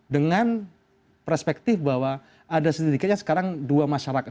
dengan perspektif bahwa ada sedikitnya sekarang dua masyarakat